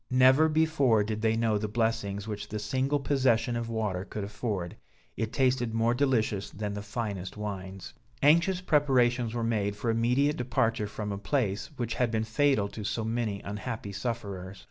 Never before did they know the blessings which the single possession of water could afford; it tasted more delicious than the finest wines. Anxious preparations were made for immediate departure from a place, which had been fatal to so many unhappy sufferers.